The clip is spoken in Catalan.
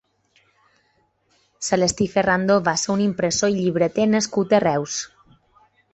Celestí Ferrando va ser un impressor i llibreter nascut a Reus.